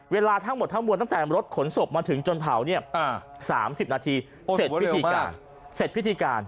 เวลาทั้งหมดทั้งมวลตั้งแต่รถขนศพมาถึงจนเผา๓๐นาทีเสร็จพิธีการ